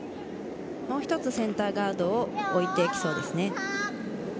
もう１つセンターガードを置いてきそうですね。